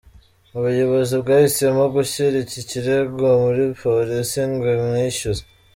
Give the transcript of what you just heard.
Ubuyobozi bwahisemo gushyira iki kirego muri Polisi ngo imwishyuze”.